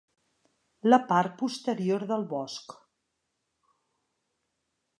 La part posterior del bosc.